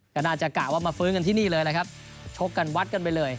ก็น่าจะกะว่ามาฟื้นกันที่นี่เลยนะครับชกกันวัดกันไปเลย